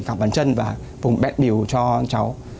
cả bàn chân và vùng bẹt biểu cho cháu